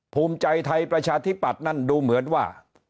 ภูมิใจไทยประชาธิปัตย์นั่นดูเหมือนว่า